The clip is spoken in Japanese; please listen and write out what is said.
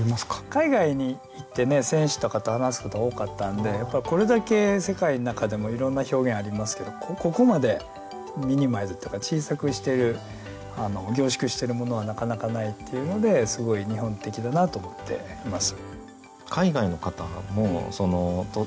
海外に行ってね選手とかと話すことが多かったんでこれだけ世界の中でもいろんな表現ありますけどここまでミニマイズっていうか小さくしてる凝縮してるものはなかなかないっていうのですごい日本的だなと思っています。